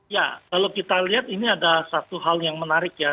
ya kalau kita lihat ini ada satu hal yang menarik ya